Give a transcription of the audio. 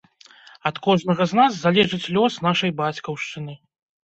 Ад кожнага з нас залежыць лёс нашай бацькаўшчыны!